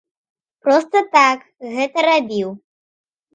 Проста так гэта рабіў.